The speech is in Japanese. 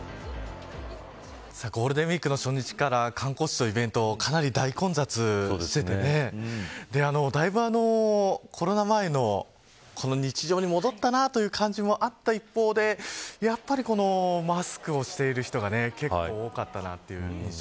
ゴールデンウイークの初日から観光地のイベントかなり大混雑していてだいぶコロナ前の日常に戻ったなという感じもあった一方でやっぱりマスクをしている人が結構多かったなという印象